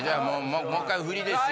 もう１回フリですよ。